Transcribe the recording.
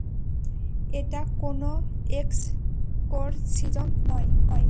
এটা কোনও এক্সক্সোরসিজম নয়!